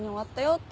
って。